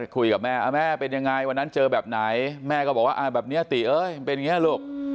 คุยกับแม่แม่เป็นยังไงวันนั้นเจอแบบไหนแม่ก็บอกว่าแบบนี้ตีเป็นยังไงลูก